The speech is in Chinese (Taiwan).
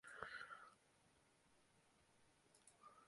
驚人的獲利